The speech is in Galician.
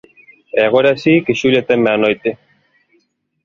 E agora si que Xulia teme á noite.